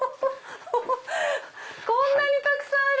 こんなにたくさんある！